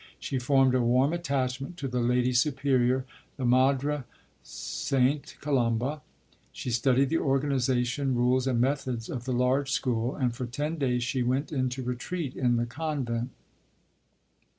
She formed a warm attachment to the Lady Superior, the Madre Sta. Colomba. She studied the organization, rules, and methods of the large school, and for ten days she went into Retreat in the Convent.